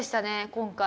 今回。